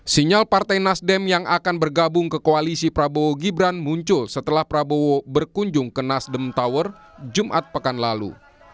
sinyal partai nasdem yang akan bergabung ke koalisi prabowo gibran muncul setelah prabowo berkunjung ke nasdem tower jumat pekan lalu